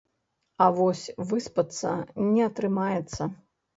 А вось выспацца не атрымаецца.